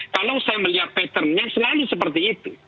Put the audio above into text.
kalau saya melihat patternnya selalu seperti itu